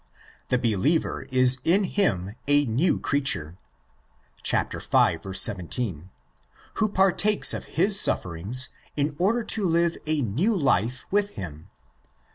The believer is in him a new creature (v. 17), who partakes of his sufferings in order to live a new life with him.